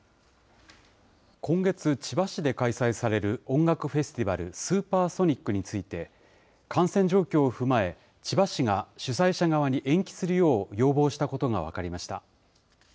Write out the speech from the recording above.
今月、千葉市で開催される音楽フェスティバル、スーパーソニックについて、感染状況を踏まえ、千葉市が主催者側に延期するよう要望したことが分かりました。